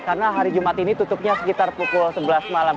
karena hari jumat ini tutupnya sekitar pukul sebelas malam